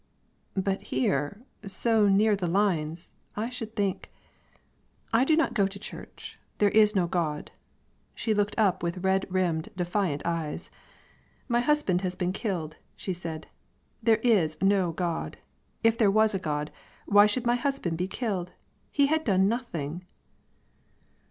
"But here, so near the lines, I should think " "I do not go to church. There is no God." She looked up with red rimmed, defiant eyes. "My husband has been killed," she said. "There is no God. If there was a God, why should my husband be killed? He had done nothing."